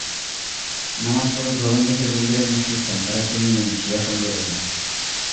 নামাজ পড়ার ধরন দেখে জঙ্গিরা নিশ্চিত হয়, তাঁরা সুন্নি নয়, শিয়া সম্প্রদায়ের।